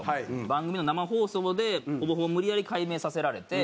番組の生放送でほぼほぼ無理やり改名させられて。